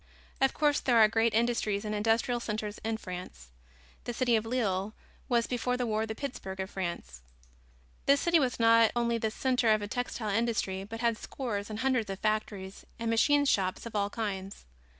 Of course, there are great industries and industrial centers in France. The city of Lille was, before the war, the Pittsburg of France. This city was not only the center of the textile industry, but had scores and hundreds of factories and machine shops of all kinds.